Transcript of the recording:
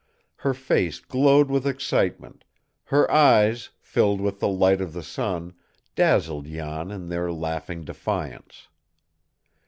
Her face glowed with excitement; her eyes, filled with the light of the sun, dazzled Jan in their laughing defiance.